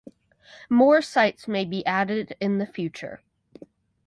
More sites may be added in the future.